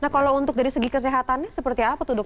nah kalau untuk dari segi kesehatannya seperti apa tuh dok